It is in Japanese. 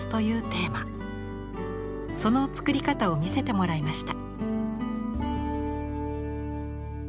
その作り方を見せてもらいました。